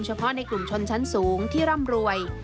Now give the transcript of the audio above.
เฉพาะในกลุ่มชนชั้นสูงที่ร่ำรวย